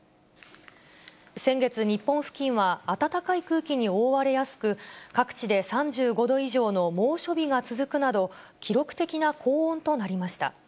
先月、日本付近は暖かい空気に覆われやすく、各地で３５度以上の猛暑日が続くなど、記録的な高温となりました。